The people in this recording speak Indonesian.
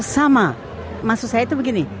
sama maksud saya itu begini